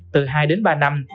từ hai đến ba năm